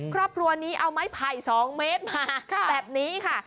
ครอบครัวนี้เอาไม้ไผ่๒เมตรมาแบบนี้ค่ะ